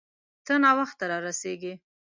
ته ناوخته را رسیږې